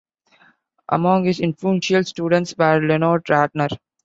Among his influential students were Leonard Ratner.